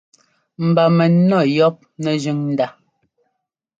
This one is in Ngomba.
Mba mɛnɔ́ yɔ́p nɛ́jʉ̈n ndá.